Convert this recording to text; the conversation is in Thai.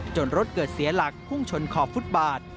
รถเกิดเสียหลักพุ่งชนขอบฟุตบาท